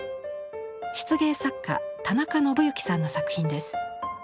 漆芸作家・田中信行さんの作品です。